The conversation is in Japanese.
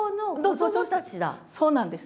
そうなんです。